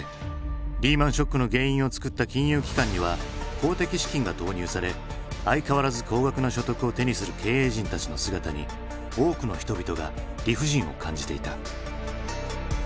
リーマンショックの原因を作った金融機関には公的資金が投入され相変わらず高額な所得を手にする経営陣たちの姿に多くの人々が理不尽を感じていた。